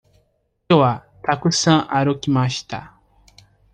きょうはたくさん歩きました。